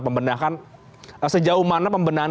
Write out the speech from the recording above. pembunuhan sejauh mana pembunuhan